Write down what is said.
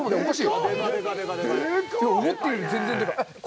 思ったより全然でかい！